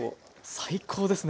最高ですね！